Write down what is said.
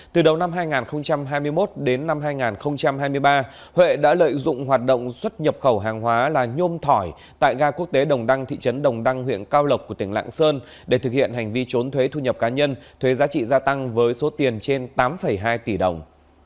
từ đầu năm hai nghìn hai mươi một đến năm hai nghìn hai mươi ba huệ đã lợi dụng hoạt động xuất nhập khẩu hàng hóa là nhôm thỏi tại ga quốc tế đồng đăng thị trấn đồng đăng huyện cao lộc của tỉnh lạng sơn để thực hiện hành vi trốn thuế thu nhập cá nhân thuế giá trị gia tăng với số tiền trên tám hai tỷ đồng